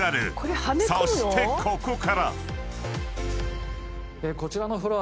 ［そしてここから］